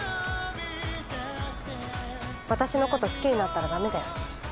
私の事好きになったら駄目だよ。